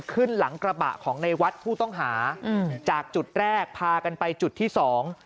ขึ้นหลังกระบะของในวัดผู้ต้องหาอืมจากจุดแรกพากันไปจุดที่สอง